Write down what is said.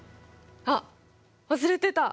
あっ忘れてた！